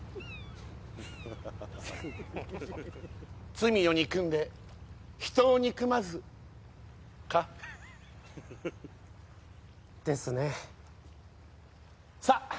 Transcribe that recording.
罪を憎んで人を憎まずかですねさあ